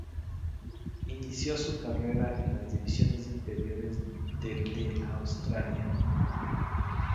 Inició su carrera en las divisiones inferiores del de Australia.